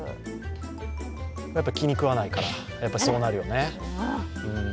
やっぱり気にくわないから、そうなるよね。